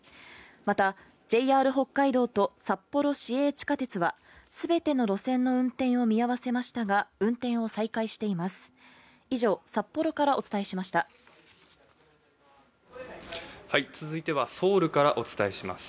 また、ＪＲ北海道と札幌市営地下鉄は全ての路線の運転を見合わせましたが運転を再開しています。